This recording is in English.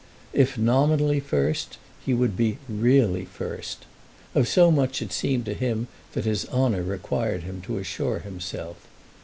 If nominally first he would be really first. Of so much it seemed to him that his honour required him to assure himself.